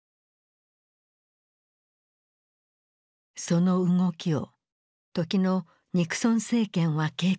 その動きを時のニクソン政権は警戒した。